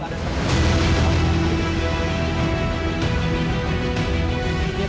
sebelum itu dewi menemukan anaknya di toren